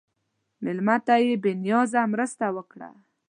مېلمه ته بې نیازه مرسته وکړه.